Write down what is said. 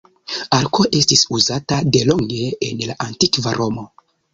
Arko estis uzata delonge en la Antikva Romo.